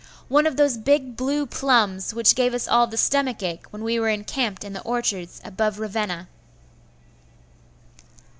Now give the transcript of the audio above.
One of those big blue plums, which gave us all the stomach ache when we were encamped in the orchards above Ravenna!